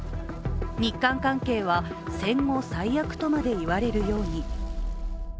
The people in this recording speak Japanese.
日韓関係は戦後最悪とまで言われるように。